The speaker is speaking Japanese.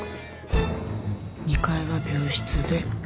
２階は病室で。